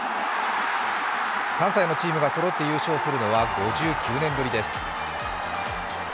関西のチームがそろって優勝するのは５９年ぶりです。